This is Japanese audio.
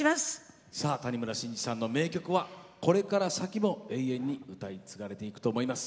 谷村新司さんの名曲はこれから先も永遠に歌い継がれていくと思います。